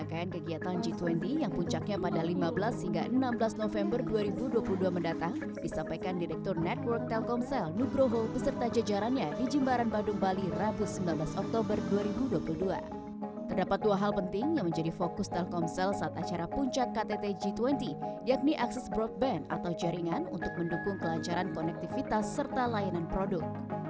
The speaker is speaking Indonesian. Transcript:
ketika puncak ktt g dua puluh yakni akses broadband atau jaringan untuk mendukung kelancaran konektivitas serta layanan produk